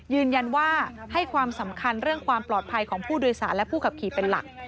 ยืนยันว่าให้ความสำคัญเรื่องความปลอดภัยของผู้โดยสารและผู้ขับขี่เป็นหลัก